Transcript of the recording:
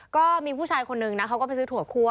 ก็มีผู้ชายคนนึงนะเขาก็ไปซื้อถั่วคั่